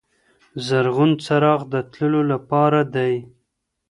شین څراغ د تلو لپاره دی.